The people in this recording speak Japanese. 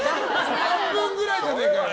半分くらいじゃねえかよ。